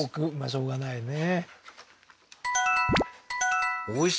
しょうがないね